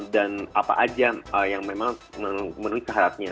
dan apa aja yang memang menurut keharapannya